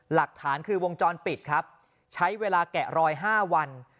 หลักฐานคือวงจรปิดครับใช้เวลาแกะรอย๕วัน